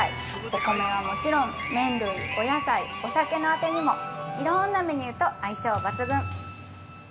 お米はもちろん、麺類、お野菜お酒のアテにもいろんなメニューと相性抜群。